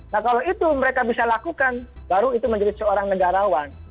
nah kalau itu mereka bisa lakukan baru itu menjadi seorang negarawan